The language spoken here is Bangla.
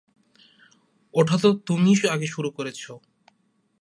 ওটা তো তুমিই আগে শুরু করেছ।